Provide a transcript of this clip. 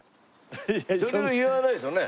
それは言わないですよね？